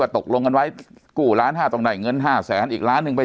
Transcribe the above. ว่าตกลงกันไว้กู้ล้านห้าตรงใดเงินห้าแสนอีกล้านนึงไป